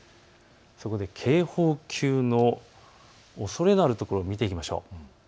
そこで警報級のおそれのあるところを見ていきましょう。